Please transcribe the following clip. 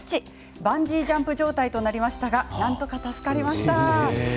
バンジージャンプ状態になりましたがなんとか助かりました。